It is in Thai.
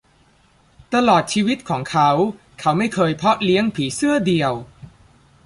ตลอดชีวิตของเขา เขาไม่เคยเพาะเลี้ยงผีเสื้อเดี่ยว